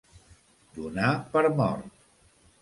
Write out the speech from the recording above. Donar per mort.